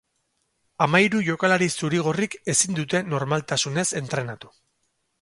Hamahiru jokalari zuri-gorrik ezin dute normaltasunez entrenatu.